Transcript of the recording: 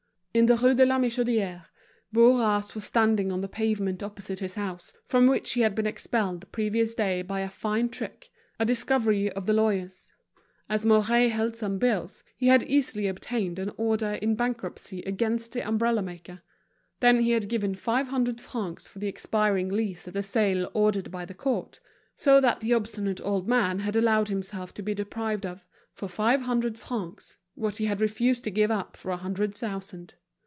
In the Rue de la Michodière, Bourras was standing on the pavement opposite his house, from which he had been expelled the previous day by a fine trick, a discovery of the lawyers; as Mouret held some bills, he had easily obtained an order in bankruptcy against the umbrella maker; then he had given five hundred francs for the expiring lease at the sale ordered by the court; so that the obstinate old man had allowed himself to be deprived of, for five hundred francs, what he had refused to give up for a hundred thousand.